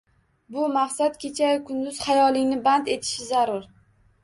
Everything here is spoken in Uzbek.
Bu maqsad kechayu kunduz xayolingni band etishi zarur